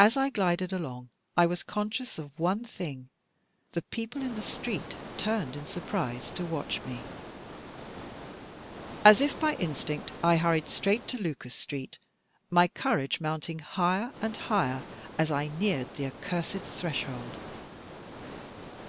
As I glided along, I was conscious of one thing, the people in the street turned in surprise to watch me. As if by instinct, I hurried straight to Lucas Street, my courage mounting higher and higher as I neared the accursed threshold.